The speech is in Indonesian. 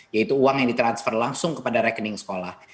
yaitu uang yang ditransfer langsung kepada rekening sekolah